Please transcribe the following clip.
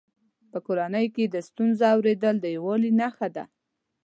په کورنۍ کې د ستونزو اورېدل د یووالي نښه ده.